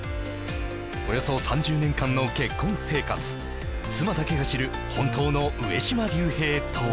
およそ３０年間の結婚生活妻だけが知る本当の上島竜兵とは